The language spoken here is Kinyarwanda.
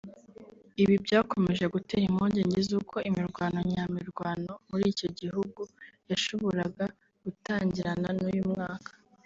Ibi byakomeje gutera impungenge zuko imirwano nya mirwano muri icyo gihugu yashoboraga gutangirana n’uyu mwaka